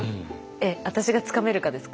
私がつかめるかですか？